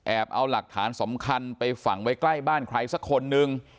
เอาหลักฐานสำคัญไปฝังไว้ใกล้บ้านใครสักคนนึง